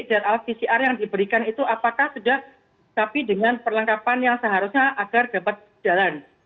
dan lpcr yang diberikan itu apakah sudah tapi dengan perlengkapan yang seharusnya agar dapat berjalan